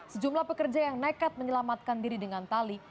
sejumlah pekerja yang nekat menyelamatkan diri dengan tali